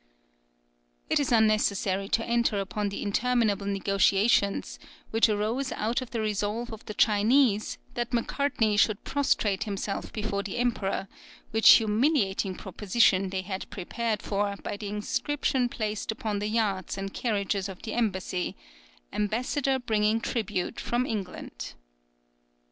It is unnecessary to enter upon the interminable negotiations which arose out of the resolve of the Chinese, that Macartney should prostrate himself before the emperor; which humiliating proposition they had prepared for by the inscription placed upon the yachts and carriages of the embassy, "Ambassador bringing tribute from England."